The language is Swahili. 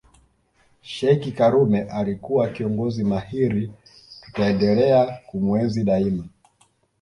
Sheikh karume alikuwa kiongozi mahiri tutaendelea kumuenzi daima